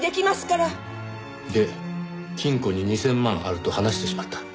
で金庫に２０００万あると話してしまった。